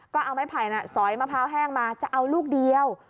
ก็เอาไม้ไผ่นสอยมะพร้าวแห้งมาจะเอาลูกเดียว